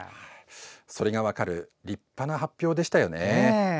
それが分かる立派な発表でしたよね。